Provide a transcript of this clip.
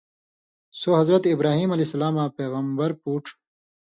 سو حضرت اِبراھیم علیہ السلاماں پېغمبر پُوچ،